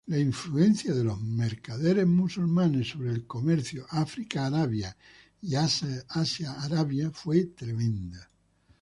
La influencia de los mercaderes musulmanes sobre el comercio África-Arabia y Asia-Arabia fue tremenda.